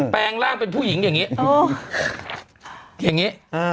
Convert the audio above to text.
แปลงร่างเป็นผู้หญิงอย่างนี้